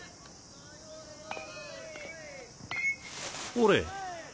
ほれ。